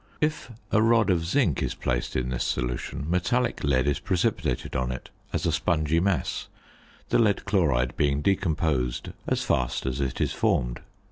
If a rod of zinc is placed in this solution, metallic lead is precipitated on it as a spongy mass, the lead chloride being decomposed as fast as it is formed.